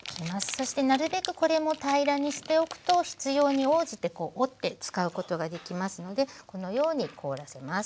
そしてなるべくこれも平らにしておくと必要に応じて折って使うことができますのでこのように凍らせます。